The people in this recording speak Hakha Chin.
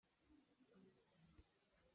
Cengkeuh kal bantuk in na thin hun va har ter!